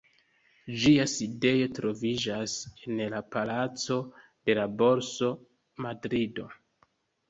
Ĝia sidejo troviĝas en la Palaco de la Borso, Madrido.